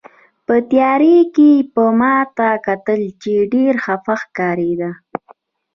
په تیارې کې یې ما ته کتل، چې ډېره خپه ښکارېده.